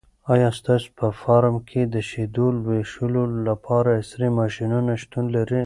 آیا ستاسو په فارم کې د شیدو لوشلو لپاره عصري ماشینونه شتون لري؟